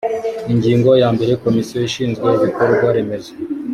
ingingo ya mbere komisiyo ishinzwe ibikorwa remezo